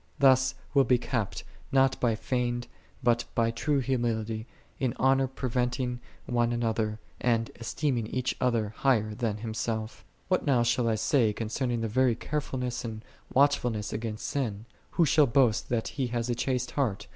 Thus will be kept, not by ! but by true humility, " In honor pre venting one another," 4 and, " esteeming each the other higher than himself."5 48. What now shall I say concerning the very carefulness and watchfulness against sin ?" Who shall boast that he hath a chaste heart?